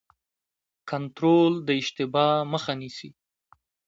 کنټرول د اشتباه مخه نیسي